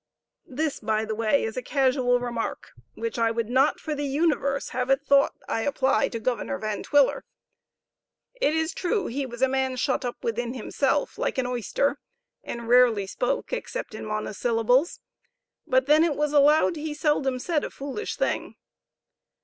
This, by the way, is a casual remark, which I would not for the universe have it thought I apply to Governor Van Twiller. It is true he was a man shut up within himself, like an oyster, and rarely spoke except in monosyllables; but then it was allowed he seldom said a foolish thing.